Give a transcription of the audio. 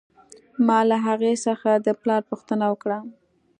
ما له هغې څخه د پلار پوښتنه وکړه